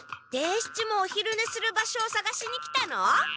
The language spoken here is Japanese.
伝七もお昼寝する場所をさがしに来たの？